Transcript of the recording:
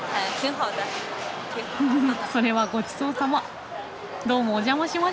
フフフッそれはごちそうさま。